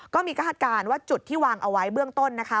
คาดการณ์ว่าจุดที่วางเอาไว้เบื้องต้นนะคะ